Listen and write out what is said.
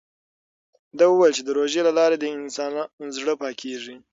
ده وویل چې د روژې له لارې د انسان زړه پاکېږي.